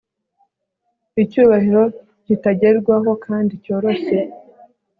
Icyubahiro kitagerwaho kandi cyoroshye